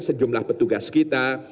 sejumlah petugas kita